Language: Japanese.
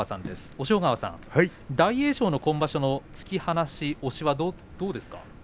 押尾川さん、大栄翔の今場所の突き放し、押しはどうですか？